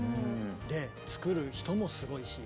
で作る人もすごいし。